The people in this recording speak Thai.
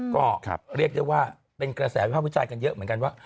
ก็เรียกได้ว่าเป็นกระแสวิภาพวิจารณ์กันเยอะเหมือนกันว่า